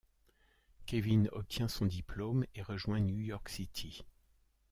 Kevin obtient son diplôme et rejoint New York City.